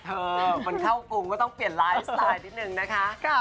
เออมันเข้ากรุงก็ต้องเปลี่ยนไลฟ์สไตล์นิดนึงนะคะ